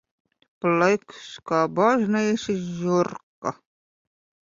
Pliks kā baznīcas žurka.